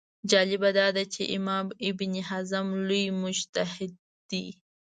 جالبه دا ده چې امام ابن حزم لوی مجتهد دی